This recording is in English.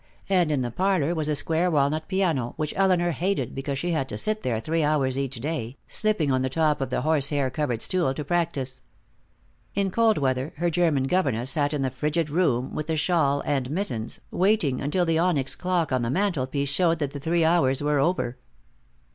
And in the parlor was a square walnut piano, which Elinor hated because she had to sit there three hours each day, slipping on the top of the horsehair covered stool, to practice. In cold weather her German governess sat in the frigid room, with a shawl and mittens, waiting until the onyx clock on the mantel piece showed that the three hours were over.